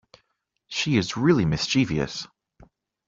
She is really mischievous.